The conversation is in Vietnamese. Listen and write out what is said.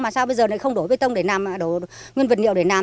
mà sao bây giờ lại không đổ bê tông để làm nguyên vật liệu để làm